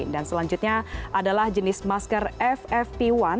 dan selanjutnya adalah jenis masker ffp satu